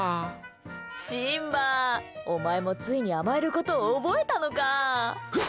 シンバ、お前もついに甘えることを覚えたのか。